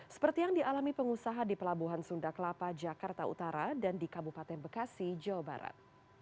seperti yang dialami pengusaha di pelabuhan sunda kelapa jakarta utara dan di kabupaten bekasi jawa barat